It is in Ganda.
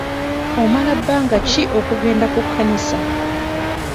Omala bbanga ki okugenda ku kkanisa?